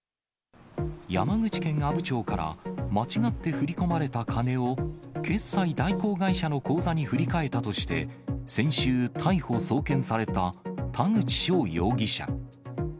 山口県阿武町から、間違って振り込まれた金を、決済代行会社の口座に振り替えたとして、先週、逮捕・送検された、田口翔容疑者。